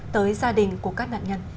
tới gia đình của các nạn nhân